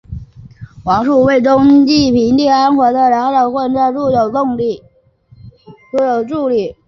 王舒在为东晋平定初年发生的两场动乱都有助力。